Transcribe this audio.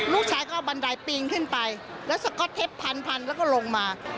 ลูกชายก็เอาบันไดปีนขึ้นไปแล้วสก๊อตเทปพันพันแล้วก็ลงมา